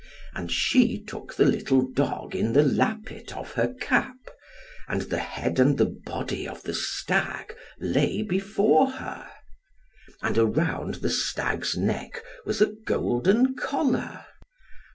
And she took the little dog in the lappet of her cap, and the head and the body of the stag lay before her. And around the stag's neck was a golden collar.